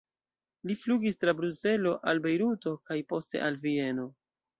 Li flugis tra Bruselo al Bejruto kaj poste al Vieno.